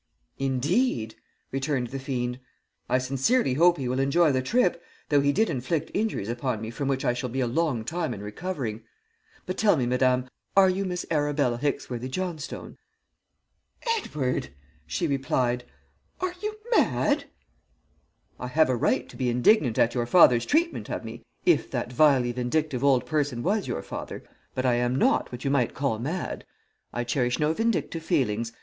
"'Indeed!' returned the fiend. 'I sincerely hope he will enjoy the trip, though he did inflict injuries upon me from which I shall be a long time in recovering. But tell me, madame, are you Miss Arabella Hicksworthy Johnstone?' "'Edward,' she replied, 'are you mad?' "'I have a right to be indignant at your father's treatment of me, if that vilely vindictive old person was your father, but I am not what you might call mad. I cherish no vindictive feelings.